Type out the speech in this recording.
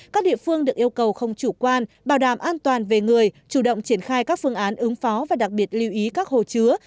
các địa phương được yêu cầu không chủ quan bảo đảm an toàn về người chủ động triển khai các phương án ứng phó và đặc biệt lưu ý các hồ chứa